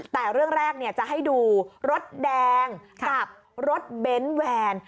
แต่เรื่องแรกจะให้ดูรถแดงกับรถเบนท์แวน